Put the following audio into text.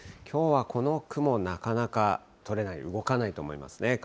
きょうはこの雲、なかなか取れない、動かないと思いますね。